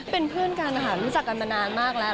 เป็นเพื่อนกันนะคะรู้จักกันมานานมากแล้ว